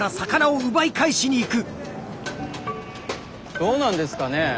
どうなんですかね？